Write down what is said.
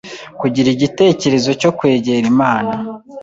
kugira igitekerezo cyo kwegera Imana.